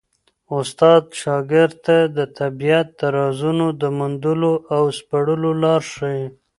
استاد شاګرد ته د طبیعت د رازونو د موندلو او سپړلو لاره ښيي.